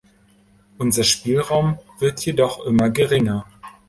Unser Spielraum wird jedoch immer geringer.